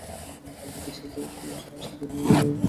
খাল থেকে সেচ পাওয়ার আশায় বোরো লাগিয়ে কৃষকেরা এখন বিপাকে আছেন।